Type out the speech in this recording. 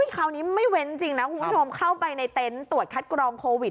คราวนี้ไม่เว้นจริงนะคุณผู้ชมเข้าไปในเต็นต์ตรวจคัดกรองโควิด